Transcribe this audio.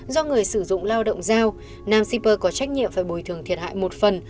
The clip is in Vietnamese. do người sử dụng lao động giao nam super có trách nhiệm phải bồi thường thiệt hại một phần